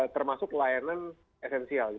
termasuk layanan esensial